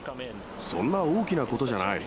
そんな大きなことじゃない。